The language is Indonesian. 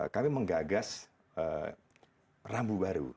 kami menggagas rambu baru